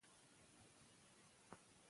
زه د شیدو مقدار د خپل وزن مطابق ټاکم.